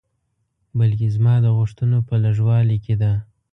بلکې زما د غوښتنو په لږوالي کې ده.